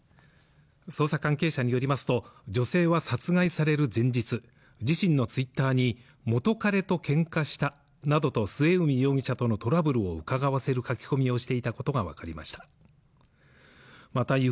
捜査関係者によりますと女性は殺害される前日自身のツイッターに元カレと喧嘩したなどと末海容疑者とのトラブルをうかがわせる書き込みをしていたことが分かりました